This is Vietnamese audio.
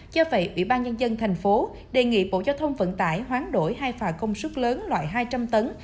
do vậy ủy ban nhân dân tp hcm đề nghị bộ giao thông vận tải khoán đổi hai phà công suất lớn loại hai trăm linh tấn